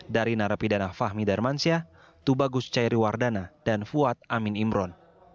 dari narapidana fahmi darmansyah tubagus cairiwardana dan fuad amin imron